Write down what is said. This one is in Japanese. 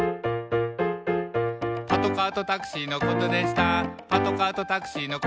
「パトカーとタクシーのことでした」